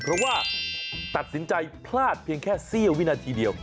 เพราะว่าตัดสินใจพลาดเพียงแค่เสี้ยววินาทีเดียว